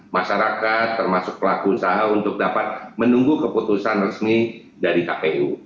masyarakat termasuk pelaku usaha untuk dapat menunggu keputusan resmi dari kpu